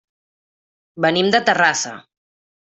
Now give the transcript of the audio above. Venim de Terrassa.